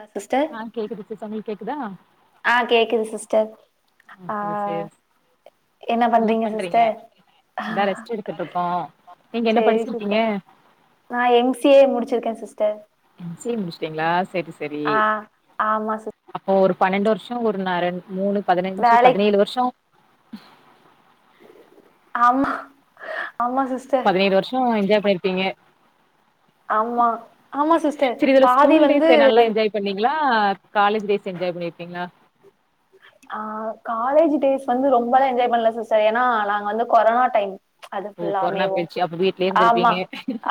அஹ் sister ஆ கேக்குது sis உங்களுக்கு கேக்குதா ஆஹ் கேக்குது சிஸ் டர் ஓகே ஆஹ் சிஸ் என்ன பண்றீங்க சிஸ்டர் இந்தா ரெஸ்ட் எடுத்துட்டு இருக்கோ நீங்க என்ன சேரி படிச்சிருக்கீங்க சிஸ்டர் நா எம் சி எ ய் முடிச்சிருக்கே sister M C A முடிச்ட்டீங்ளா ஆஹ் ஆமா சிஸ் ஓர் பன்னெண்டு வர்ஷ ஒரு நாரன் மூணு பதுனஞ்சு வேலைக் பதினேழு வர்ஷ [inaudible] ஆமா ஆமா சிஸ்டர் பதினேழு வர்ஷ என்ஜாய் பண்ணிருப்பீங்க ஆமா ஆமா சிஸ்டர் செரி இதுல பாதி ஸ்கூல் டேஸ்ச வந்து நல்லா என்ஜாய் பண்ணீங்ளா காலேஜ் டேஸ் என்ஜாய் பண்ணிருக்கீங்ளா ஆ காலேஜ் டேஸ் வந்து ரொம்பலா என்ஜாய் பண்ல சிஸ்டர் ஏனா நாங்க வந்து கொரனா டைம் அது ஓ கொரோனா ஃபுல்லாமேவு போயிடுச்சு அப்ப வீட்லயே ஆமா இருந்திருப்பீங்க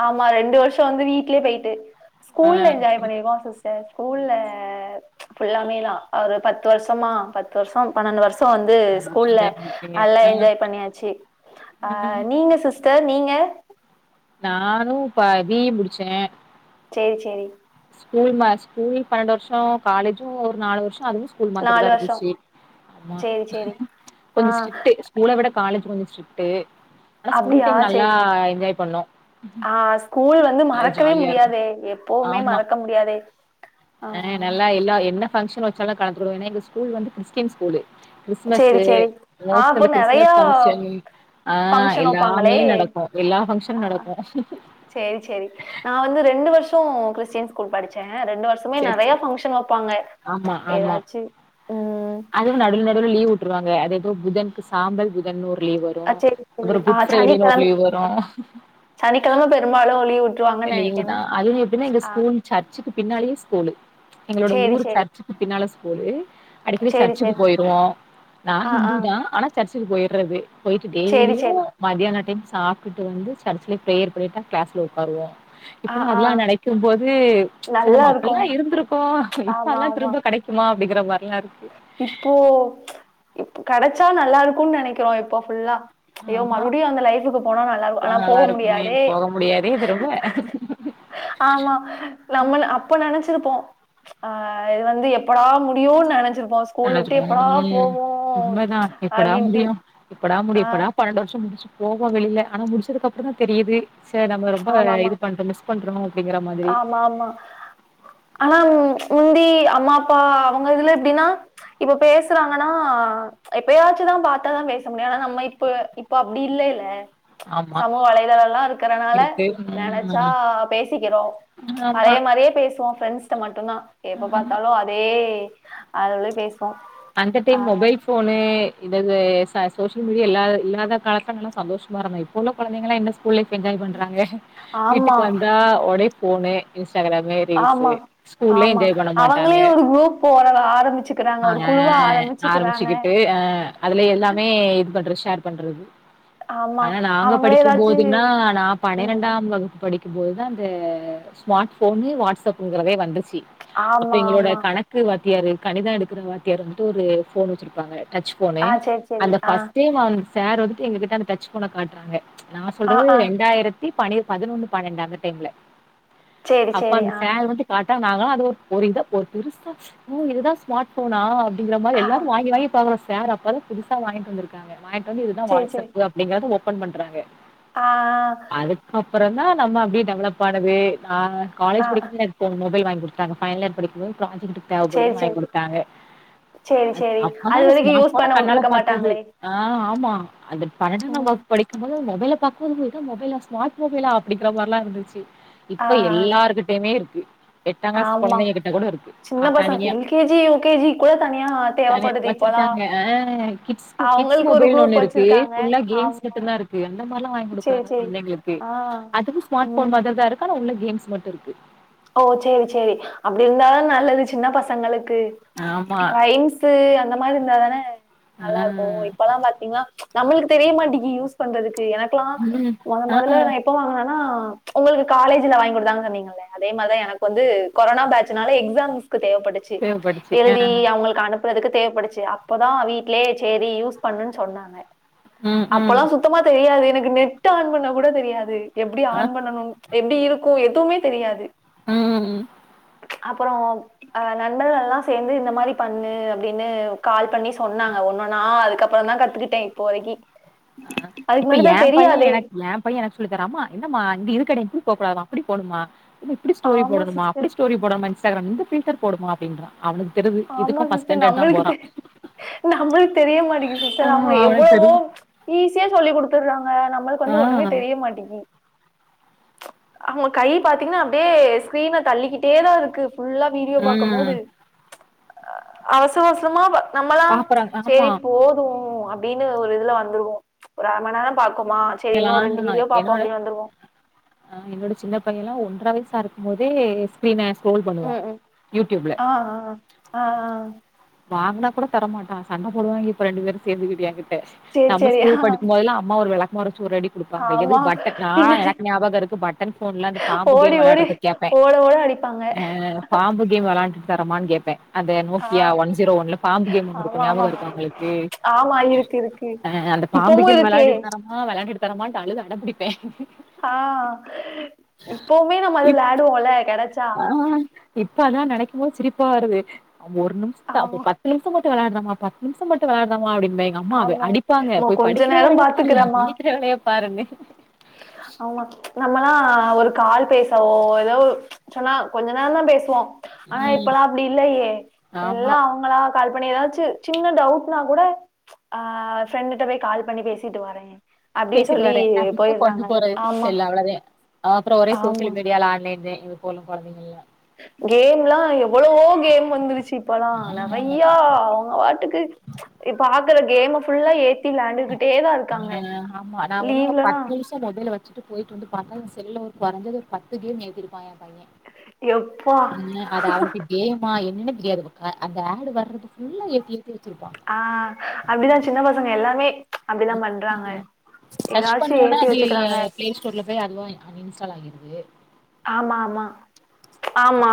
ஆமா ரெண்டு வர்ஷோ வந்து வீட்லே போயிட்டு ஆ ஸ்கூல்ல என்ஜாய் பண்ணிருக்கோ சிஸ்டர் ஸ்கூல்ல ஃபுல்லாமே தா ஒரு பத்து வர்ஷ் த்தமா பத்து வர்ஷோ பன்னண்டு வர்ஷ் [unintelligible] வந்து நல்ல வருஷம் ஸ்கூல்ல என்ஜாய் பண்ணிருப்பீங்க நல்லா ஆ என்ஜாய் பண்ணியாச்சு அ நீங்க சிஸ் டர் நீங்க நானு இப்ப பி இ முடிச்சே சேரி சேரி ஸ்கூல் [unintelligible] ஸ்கூல் பன்னண்டு வர்ஷோ காலேஜு ஒரு நாலு வர்ஷ் அதுவு ஸ்கூல் மாதிரி நாலு தா வருஷோ இருந்துச்சு ஆமா சேரி சேரி ஆ கொஞ்ச ஸ்டிர்ட்டு ஸ்கூல விட காலேஜ் முடிச்சிட்டு ஆனா ஸ்கூல் டைம் நல்லா என்ஜாய் பண்ணோ ஆ‌ ஸ்கூல் வந்து நல்லா மறக்கவே ஜாலியா இருக்கு முடியாதே எப்போ ஆமா ஆ நல்லா எல்லா என்ன ஃபங்கஷன் வச்சாலு கலந்துருவோ ஏன்னா எங்க ஸ்கூல் வந்து கிரிஸ்டியன் ஸ்கூலு சேரி கிறிஸ்மஸ்ஸு சேரி ஆ மோஸ்லி அப்போ அந்த நெறையா கிறிஸ்மஸ் ஃபங்க்ஷன் ஆ ஃபங்க்ஷன் வப்பாங்களே எல்லாமே நடக்கு எல்லா ஆ ஃபங்ஷனு நடக்கு ஒ கிறிஸ்டின் ஸ்கூல் படிச்சே அ, ரெண்டு வர்ஷமே சேர் நெறைய சேர் ஃபங்க்ஷன் வெப்பாங்க ஆமா ஆமா எதாச்சு அதுவு நடுவ்ல நடுவ்ல லீவு உட்ருவாங்க அது எதோ புதன்க்கு சாம்பல் புதன் ஒ அ செரி செரி ஆ சனிக்கெழம லீவ் வரு சனிக்கெழம பெரும்பாலு லீவு இல்ல இது தா அதுலயு எப்படினா எங்க ஸ்கூல் சர்ச்சுக்கு பின்னாலயே ஸ்கூலு எங்களோட சேரி ஊரு சேரி சர்ச்சுக்கு பின்னால ஸ்கூலு அடிக்கடி சேரி சர்ச்சுக்கு சேரி போயிருவோ நா ஆ ஆ ஹிந்து தா ஆனா சர்ச்சு ச்சுக்கு போய்ர்றது போய்ட்டு சேரி டெய்லியு சேரி மதியனோ டைம் சாப்டுட்டு வந்து சர்ச்சுலே பிரேயர் பண்ணிட் தா கிளாஸ்கே வருவோ ஆ இப்பல்லா ஆ அதெல்லா நெனைக்கும் போது ச்ச நல்லா நம்ம அப்பிட்ல்லா இருக்கு இருந்திருக்கோ ஆமா இப்பெல்லா ஆமா திரும்ப கெடைக்குமா அடிக்கிற மாரில்லா இரு இப்போ கெடச்சா நல்லாருக்குன் நெனைக்கிறோ இப்போ ஃபுல்லா ஐயோ ஆமா மறுபடியு அந்த லைஃப்புக்கு போனா நல்லார்கு ஆனா போனா நல்லா போக இருக்குமே முடியாதே போக முடியாதே இது ரொம்ப ஆமா நம்மல அப்ப நெனச்சிருப்போ ஆ இது வந்து எப்படா முடியுனு நெனச் [unintelligible] உண்மதா எப்படா அப்டின்ட்டு முடியு எப்படா முடியு ஆ எப்படா பன்னெண்டு வருஷம் முடிச்சு போவோ வெளியில ஆனா முடிச்சதுக்கு அப்றந்தா தெரியுது சர் நம்ம ரொம்ப ஆமா ஆமா இது பண்றமோ ச பண்றோ அப்டிங்கிற மாதிரி ஆமா ஆமா ஆனா உ முந்தி ய அம்மா அப்பா அவங்க இதுல எப்படின்னா இப்ப பேசுறாங்கனா எப்பயாச்சுந்தா பாத்தாதா பேச முடியு ஆனா நம்ம இப்ப இப்ப அப்படி இல்லைல்ல ஆமா சமூக வலைதளல்லா இருக்கறனால இருக்கு நெனைச்சா ம் பேசு க்றோ ப்ச் ஆமா பழய மாரியே பே சோ ஃப்ரெண்ஸ்ட்ட மட்டுந்தா எப்ப ஆமா பாத்தாலு அதே அதுல்லயே பேசி அந்த டைம் மொபைல் போனு இதது ச சோஷியல் மீடியா இல்லாத இல்லாத காலத்துல நல்ல சந்தோஷமா இருந்த இப்போ உள்ள கொழந்தைங்கள என்ன ஸ்கூல் லைஃப் என்ஜாய் பண்றாங்க ஆமா, வீட்டுக்கு வந்தா ஒடை ஃபோனு யூஸ் ஆமா ஆமா பண்ண மாட்டாங்க அவங்களே ஒரு குரூப் போரலா ஆரம்பிச்சுக்கிறாங்க ஒருப் ஆ ஆரம்பிச்சிக்கிட்டு அ அதுல எல்லாமே பண்ற ஷேர் பண்றது ஆமா. ஆனா நாங்க அவங்களே படிக்கும் ஏதாச்சு போதுன்னா நா ம். பன்னிரெண்டாம் வகுப்பு படி க்கு போதுதா அந்த ஸ்மார்ட் போனு வாட்ஸ்ப்ங்கிறதே வந்து ச்சி அப்ப ஆமா எங்களோட ஆமா கணக்கு வா த்தியாரு கணித எடு க்ற வாத்தியார் வந்து ஒரு போன் வச்சுருப்பாங்க டச் போனு ஆ சரி சரி அந்த ஆ ஃபர்ஸ்டே வந் சார் வந்துட்டு எங்ககிட்ட அந்த டச் போன காட்டுறாங்க ப்ச் நா ஆ சொல்றது ஆ ரெண்டாயிரத் தி பனிர் பதினொன்னு பன்னெண்டு அந்த டைம்ல சரி அப்ப சரி அந்த ஆ சார் வந்து காட் டா நாங்கள அது ஒரு ஒரு இதா ஒரு பெருசா ஓ இதுதா ஸ்மார்ட் ஃபோனா அப்படிங்கற மாரி ஆ எல்லாரு வாங்கி வாங்கி பாக்றோ சார் அப்பதா புதுசா வாய்ன்ட்டு வந்துருக்காங்க [unintelligible] ட்டு வந்து இதுதா வாட்சப்பு அப்பிடிங்கிறது ஒப் ப்பன் பண்றாங்க அ அ அப்பறோதா நம்ம அப்டியே டெவலப் ஆனது அ ஆ காலேஜ் ஆ படிக் போது எனக் ஃபோன் மொபைல் வாங் குடுத்தாங்க ஃபைனல் யேர் படிக்கும்போது பராஜெக்ட்டுக்கு சரி தேவபடுதுனு சரி வாங்கி ட்டாங்க சரி சரி அ-அப்பதா அது நா வரைக்கும் ஸ்மார்ட் யூஸ் போன பண்ண கண்ணால விட்டுருக்க பாத்தது மாட்டாங்களே அ ஆம்மா அதுக் பணன்டாண ம் வகுப் படிக்கும்போது மொ மொபைல பாக்கும்போது இதா மொபைல ஸ்மாட் மொபைலா அப்பிடிங்றா மாரில்லா இருச்சு ஆ இப்ப ஆ எல்லாருகிட்டயுமே இருக்கு எட்டாங் கிளாஸ் ஆமா கொழந்திங்க கிட்ட கூட இருக்கு சின்ன ஆ பசங்க தனியா எல்கேஜி யூகேஜி கூட தனியா தனியா தேவைப்படுது இப்போலாம் வெச்சிருக்காங்க அஹா கிட்ஸ்க் கிட்ஸ் அவங்களுக்கு ஒரு மொபைல் குரூப் ஒண்ணு இருக்கு வச்சிருக்காங்க ஃபுல்லா கேம்ஸ் ஆமா மட்டும்தா இருக்கு அந்த மாரியில்லா வாங்கி சரி குடுக்குறாங்க சரி கொழந்தைங்களுக்கு ஆ அதுவு ஸ்மார்ட் போன் ம் மார்தா இருக்கு [unintelligible] உள்ள கேம்ஸ் மட்டு இருக்கு ஓ சேரி சேரி அப்டி இருந்தாத நல்லது சின்ன பசங்களுக் க்கு ஆமா. ரைம்ஸ்சு அந்த மா மாரியிருந்தா தானெ ஆ. நல்லா இருக்கு இப்பெல்லா பாத்தீங்னா நம்ளுக்கு தெரிய மாட்டிகி யூஸ் பண்றதுக் கு எனக்ல்லா ம். மொத ஆ ஆ மொதல்ல நா எப்ப வாங்குனேன்னா அ உங்குளுக் காலேஜில வாங்கி குடுத்தாங் சொன்னீங்கள்ள அதே மாரிதான் எனக்கு வந்து கொரனா பேஜ்னால எக்ஜாம் மிஸ் க்கு தேவப்பட்டுச்சு தேவப்பட்டுச்சு. ஆ. எழுதி அவுங்களுக் அனுப் ப்புறதுக்கு தேவப்பட்டுச்சு அப்போதா வீட்லயே சேரி யூஸ் பண்ணுன் சொன்னாங்க ம் ம். அப்பல்லா சுத்தமா தெரியாதே எனக் நெட்டு ஆன் பண்ண கூட தெரியாது எப்டி ஆ ஆன் பண்ணணும் எப்டி இருக்கு எதுவுமே தெரியாது உம் அப்புறோ அ நண்பர்கல்லா சேந்து இந்த மாரி பண்ணு அப்டின்னு கால் பண்ணி சொன்னாங்க ஒன்னொன்னா அதுக்கப்புறதா கத்துக்கிட்டே இப்போ வரிக்கி அ இப்ப ஏ பையன் எனக் ஏ பையன் எனக் சொல்லி தரா அம்மா என்னமா இங்கு இது கடையா ப்படி போக்கூடாது மா அப்பிடி போணுமா இப்டி ஸ்டோரி ஆமா போடணுமா அப்டி சிஸ்டர் ஸ்டோரி போடணுமா இன்ஸ் ஸ்டாகிராம் இந்த ஃபில்டர் போடுமா அப்டின்றா அவனுக்கு தெரிது ஆமா இதுக்கு ஃபர்ஸ்ட் சிஸ்டர் ஸ்டாண்டர்ட் தா நம்மளுக்கு தெ போறா நம்மளுக்கு தெரிய மாட்டேங்குது ஆ சிஸ்டர் அவங்க அவனுக்கு எவ்ளவோ தெரிது ஈஸியா சொல்லிக்குடுத்திட்றாங ஆஹ் நம்மளுக்கு ஆ வந்து ஒண்ணுமே தெரிய மாட்டேங்கி அவங்க கை பாத்தீங்கன்னா அப்டியே ஸ்கிரீன தள்ளிக்கிட்டே தா இருக்கு ஃபுல்லா வீடியோ பாக்கும் போது ம் அவசர அவசரமா பா நம்மலா பாக்குறாங்க ஆமா செரி போது அப் அப்டின்னு ஒரு இதுல வந்துடுவோ ஒரு அர மன்நேர பா எல்லா [unintelligible] ஆஹ் என்னோட சின்ன பையெல்லா ஒ இவ வயசா இருக்கும்போது ஸ்கிரீன ஸ்க்ரோல் பண்ணுவா உம் உம் யூடியூப்ல ஆஹ் ஆஹ் ஆஹ் ஆஹ் வாங்க்னா கூட தரமாட்டா சண்ட போடுவாங்க இப்ப ரெண்டு பேரு சேர்ந்து கிட்டு ஏ கிட் ட சேரி நம்ம சேரி ஆ ஸ்கூல் படிக்கும்போதெல்லா அம்மா ஒரு வெளக் மறு சூரடி குடுப்பாங்க எது ஆமா பட்டன் நா பின்னாடி எனக்கு ஞாபக இருக்கு பட்டன் ஃபோன்ல அந்த பாம்பு ஓடி கேம் ஓடி வெளையாடுறதுக்கு கேப்பே ஓட ஓட அடிப்பாங்க ஆஹ் பாம்பு கேம் வெளையாண்டுட்டு தரமான்னு கேப்பே அந்த ஆ நோக்கியா ஒன் ஜீரோ ஒன்ல பாம்பு கேம் ஒன்னு ஆமா இருக்கு ஆமா ஞாபக இருக்கா உங்களுக்கு ஆமா இருக்கு இருக்கு அ அந்த பாம்பு இப்பமு கேம் இருக்கே வெளையாடிட்டுதரம்மா வெளையான்டுட்டு தரமான்ட்டு அழுது அட பிடிப்பே ஹா இப்பவுமே நம்ம அது வெளயாடுவோல கெடச் ஆஹ் இப்ப அதலா நெனைக்கும் போ சிரிப்பா வருது [unintelligible] ஒரு நிமிஷதா ஆமா பத்து நிமிஷ போட்டு வெளாடுறா மா பத்து நிமிஷம் மட்டு வெளாடுறேமா அப்டின்னு அதுல எங்க அம்மா ஆமா அடிப்பாங்க மா போய் கொஞ்ச படிக்கிற நேரோ வேலைய பாரு பாத்துக்கறமா படிக்கிற வேலைய பாருன்னு ஆமா நம்மல்லா ஒரு கால் பேசாவோ ஏதோ ஒ சொன்னா கொஞ்ச நேரந்தா பேசுவோ ஆனா ம். இப்பலா அப்டி இல்லையே ஆமா எல்லா அவங்களா கால் பண்ணி ஏதாச்சு சின்ன டவுட்னா கூட ஆஹ் ஃப்ரெண்டிட்ட போய் கால் பண்ணி பேசிட்டு வரே அப்டின் சொல்லி ப்போ கொண்டு போயிடுறாங்க போறதுக்கு ஆமா செல் அவ்ளோதெ அப்புறோ ஒரே ஆமா சோஷியல் மீடியால ஆன்லைன்னு இது போலு குழந்தைங்கள்ளா கேம்லாம் எவ்வளவோ கேம் வந்துருச்சு இப்பல்லாம் நெறையா அவங்க பாட்டுக்கு இப்ப கேம் ஃபல்லா ஏ லாண்டுகிட்டே தான் இருக்காங்க ஆ ஆமா நா ஒன்னு லீவ்லல்லா பத்து நிமிஷோ மொபைல வச்சுட்டு போயிட்டு வந்து பார்த்தா என் செல்ல குறைஞ ஒரு பத்து கேம் ஏதிருப்பான் எப்பா அ அது அவருக்கு கேமா [unintelligible] அந்த அடு வர்றதுல்லா ஏ ஆஹ் அப்டிதான் சின்ன பசங்க எல்லாமே அப்டிதான் பண்றாங்க சர்ச் ஏதாச்சும் பண்ணோனே ஏத்தி அது வச்சுக்கறாங்க பிளே ஸ்டோர்ல போய் அதுவா அன்இன்ஸ்டால் ஆகிருது ஆமா ஆமா ஆமா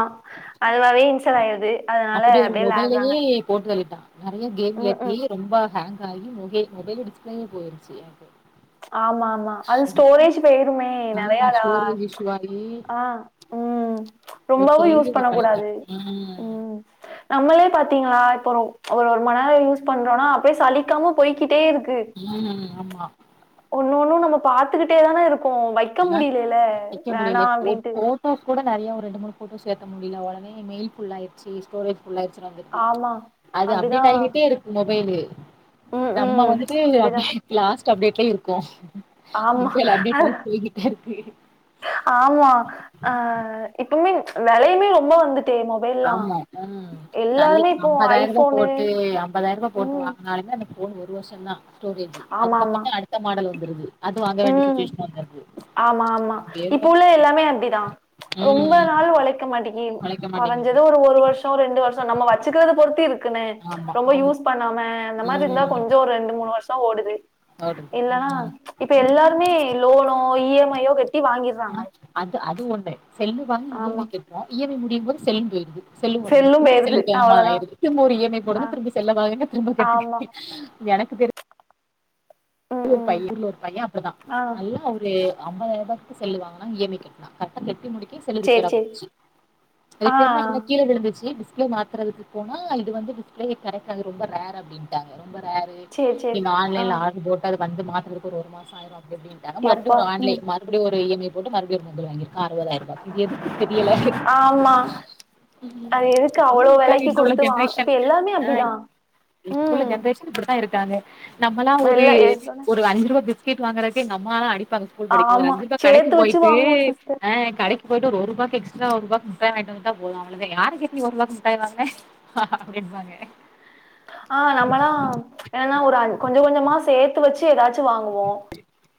அதுவ யின் லாயது அப்டி ஒரு மொபைல்லயே போட்டுத நெறைய கேம் ம் ஏத்தி ம் ரொம்பஹ ஆ மொ மொபைல் டிஸ்பிளே போயிருச்சு எனக்கு ஆமா ஆமா அது ஸ்டோரேஜ் போயிருமே நெ ஆ ஸ்டோரேஜ் இஷ்யூ ஆகி ஆஹ உம் ஒரு ரொம்பவு செல்லு யூஸ் இது பண்ண பண்ணிட்டே கூடாது உ ம் நம்மளே பாத்தீங்களா இப்ப ரொம்ப ச் ஒரு ஒரு மண் யூஸ் பண்றோம்னா அப்படியே சலிக்காம போய்கிட் ம் ஆமா ஒன்ன ஒண்ணும் நம்ம பாத்துக்கிட்டே தானே இரு க்கோ வைக்க ஆனா முடியலல்ல வைக்க வேணா முடியல போ அப்டின்ட்டு போட்டோஸ் கூட நெறைய ஒரு ரெண்டு மூண போட்டோஸ் ஏத முடில உலன மெயில் ஃபுல் ஆயடுச்சி ஸ்டோரஜ் ச்ச வந்துருது ஆமா அது அப்டிதா அப்டேட் ஆகிட்டே இருக்கு மொபைலு ம் நம்ம ம் வந்துட்டு அப்டிதா [unintelligible] அப்டேட்லயே இருக்கோ ஆமா மொபைல் அ அப்டேட் ஆகி போய்கிட்டே இருக்கு ஆமா ஆஹ் இப்பமே விலையுமே வந்துட்டு ஆமா உஹம் தல்லி எல்லாருமே இப்போ ஐம்பதாயிரம் ரூபாய ஐஃபோனு போட்டு ஐம்பதாயிரம் ரூபாய் போட்டு ம் வாங்கனாலுமே அந்த போ ஒரு வருஷாதா ஆமா ஆமா அது வாங்க வேண்டிய உம் சுச்சுவேஷன் வந்துருது. ஆமா ஆமா இப்டியே இப்போ தான் உள்ள எல்லாமே அப்டிதான் ரொம்ப ம். நாள் உழைக்க மாட்டேங்கி ஒழைக்க மாட்டேங்குது. குறைஞ்சது ஒரு வருஷோ ரெண்டு வருஷோ நம்ம வச்சுக்கிறது பொறுத் டிர் [unintelligible] [unintelligible] இருக்கு ஆமா, ரொம்ப ஆமா. யூஸ் பண்ணாம அந்த மாதிரி இருந்தா ம். கொஞ்சோ ரெண்டு [unintelligible] தா ஓடுது ஓடுது. இல்லனா ம். ச் இப்ப எல்லாருமே லோனோ இ எம் ஐ யோ கெட்டி வாங்கிற்றாங்க து ஒண்டே செல்லு வாங்கி இ எம் ஐ கெட்றோ இ எம் ஐ மு இதுபோக செல்லுபோயிர்து செல்லு முடிஞ்சிர்து போயிருது செல்லு அவ்ளோதா கேம்மாயிருது திரும்ப ஒரு இ எம் ஐ ஆ போடுங்க திரும்ப செல்ல வாங்குங்க திரும்ப கெட்டுங்க ஆமா எனக்கு தெரி ம் இது ஒரு ம் பைய இங்க ஒரு பைய அப்டிதா ஆ நல்லா ஒரு ஐம்பதாயருபாக்கு செல்லு வாங்குனா இ எம் ஐ கட்னா கர்ட்டா கெட்டி முடிக் கி செல்லு சேரி ரிப்பேரா சேரி போச்சு ஆ ரிப்பேர்னா என்ன கீழ விழுந்துச்சு டிஸ் ப்ளே மாத்துறதுக்கு போனா இது வந்து டிஸ்ப்ளே கெடைக்காது ரொம்ப ரேர் அப்டின்டாங்க ரொம்ப ரேரு சேரி சேரி நீங்க ஆ ஆன்லைல ஆர்ரு போட்டு து வந்து மாத்துறதுக்கு ஒரு ஒரு மாசோ ஆயிரு டெப்டின்டாங்க மறுப்டியு எப்பா ஒரு ம் ஆன்லைன் மறுபுடியு ஒரு இ எம் ஐ போட்டு மறு ப்பியு ஒரு மொபைல் வாங்கிருக்கா அறுவதாரூபாக்கு எதுக்கு தெரியல ஆமா ம் அது எதுக்கு இப்பிடில்லா அவ்ளோ இருக்காங்க வெலைக்கு இப்ப உள்ள குடுத்து வா இப்ப ஜென்ரேஷன் எல்லாமே அ அப்டிதா இப்புள்ள ம் ஜென்ரேஷன் இப்டிதா இருக் தாங்க நம்மலா ஒரு இல்ல எடுத்தோனே ஒரு அஞ்ரூபா பிஸ் கேட்டு வாங்குறக்கே எங்க அம்மாலா அடிப் பாங்க ஸ்கூல் படிக்குமோது ஆமா அஞ்சுர்பா கடைக்கு சேத்து வச்சு போயிட்டு வாங்குவோ சிஸ்டர் ஆ கடைக்கு போய்ட்டு ஒரு ஒரு [unintelligible] எக்ஸ்ட்ரா ஒருபாகு முட்டாய் வாங்கிட்டு வந்துட்டா போது அவளதோ யார கேட்டு நீ ஒருவாக்கு முட்டாய்வாங்குன அப்டின்வாங்க ஆ நம்மல்லா ச் என்னனா ஒரு அ கொஞ்சு கொஞ்சமா சேத் துவச்சு எதாச் டு வாங்குவோ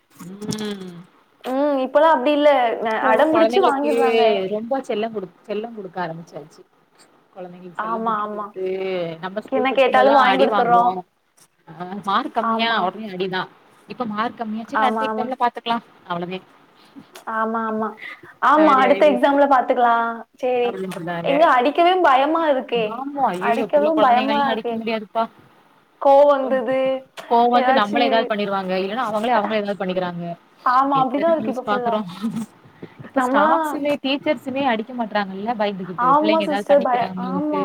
உம் உம் இப்பலா அப்டி இல்ல ன அடம்பிடிச்சு வாங்கிற்றாங்க செல்ல குடுத் க ஆரமிச்சாச்சு கொழந்தைங்ளுக்கு செல்லம் ஆமா குடுத்து ஆமா குடுத்து நம்ம ஸ்கூல் என்ன கேட்டாலு படிக்கும்போதுலா வாங்கி அடி குடுத்துர்றோ வாங்குவோ ஆ மார்க் கம்மியா ஆமா ஒடனே அடிதா இப்ப மார்க் கம்மியாச்சு அடுத்த எக்ஸாம்ல பாத்துக்லா அவ்ளதே ஆம் மாம்மா ஆமா அப்டி அடுத்த ஆயிப்போச்சு எக்ஸாம்ல பாத்துக்லா சேரி அப்டின்னு சொன்னாங்க. எங்க அடிக்கதே பயமா இருக்கே ஆமா ஐயய்யோ! அடிக்கதே பயமா இருக்கே கோவோ வந்தது கோவ வந்து ஏதாச்சு நம்மள எதாவ்து பண்ணிருவாங்க இல்லனா அவ்ங்களே அவ்ங்கள எதுனா பண்ணிக்கிறாங்க ஆமா அப்டிதா எத்தன இருக்கு இப்ப நியூஸ் ஃபுல்லா பாக்குறோம். இப்ப நம்மல்லா ஸ்டாஃப்ஸுமே டீச்சர்ஸுமே அடிக் ட்றாங்கள்ல பயந்துகிட்டு ஆமா பிள்ளைங்க எதாது சிஸ்டர் பய பண்ணிக்கிறாங்கள்ன்ட்டு ஆமா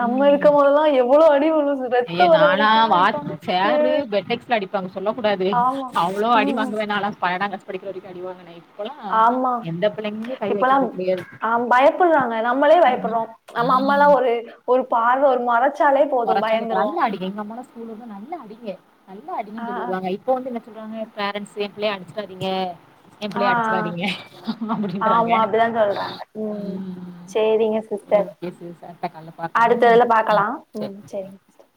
நம்ம இருக்கும் போதெல்லா எவ்ளோ அடி விழு ரத்தோ ஐய வர நாலா வரைக்குலா வாச் அடிப்பாங்க சேரு சிஸ்டர் பெட்டக்ஸ்ல அடிப்பாங்க சொல்ல கூூடாது ஆமா அவ்ளோ அடி ம் ம் வாங்குவ நாலா பன்னண்டாங் கிளாஸ் படிக்கிற வரைக்கு அடி வாங்குனே இப்பலா ஆமா இப்பலா கிடையாது. ஆஹ் பயப்புட்றாங்க நம்மளே ம். பயப்புட்றோ நம்ம ம். அம்மாலா ஒரு ஒரு பார்வ ஒரு மொரச்சு ச்சாலே போது பயந்துருவோ ஸ்கூல் வரும்போது நல்லா அடிங்க நல்லா அடிங்கன் ஆ சொல்லிவிடுவாங்க இப்போ வந்து என்ன சொல்றாங்க பேரண்ட்ஸூ எ பிள்ளய அடிச்சிறாதீங்க எ ஆ பிள்ளைய அடிச்றாதீங்க ஆ அப்டின்றாங்க ஆமா அப்டிதா சொல்றாங்க ம் ஆஹ் சேரிங்க போ சிஸ்டர் பேசு சார்ட்ட கால்ல அடுத்த பாக்கலாம்னு இதுல பாக்கலா ம் ம் சரிங்க ச